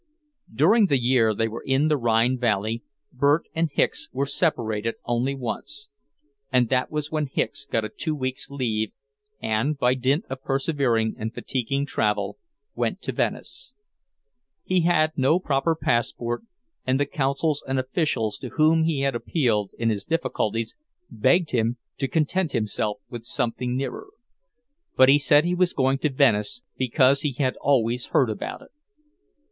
During the year they were in the Rhine valley, Bert and Hicks were separated only once, and that was when Hicks got a two weeks' leave and, by dint of persevering and fatiguing travel, went to Venice. He had no proper passport, and the consuls and officials to whom he had appealed in his difficulties begged him to content himself with something nearer. But he said he was going to Venice because he had always heard about it.